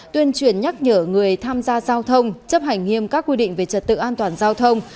tuyên truyền nhắc nhở người tham gia giao thông chấp hành nghiêm các quy định về trật tự an toàn giao thông